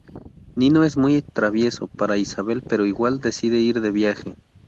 Nino es muy travieso para Isabel pero igual decide ir de viaje.